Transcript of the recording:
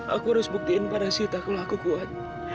aku harus buktiin pada sita kalau aku kuat